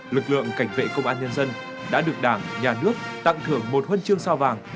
lực lượng cảnh vệ công an nhân dân đã được đảng nhà nước tặng thưởng một huân chương sao vàng